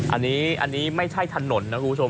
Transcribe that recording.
อันนี้ไม่ใช่ถนนนะคุณผู้ชม